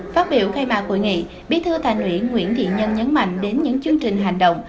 phát biểu khai mạc hội nghị bí thư thành ủy nguyễn thiện nhân nhấn mạnh đến những chương trình hành động